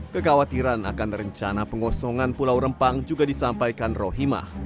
kekhawatiran akan rencana pengosongan pulau rempang juga disampaikan rohimah